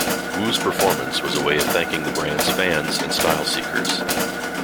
Wu's performance was a way of thanking the brand's fans and style seekers.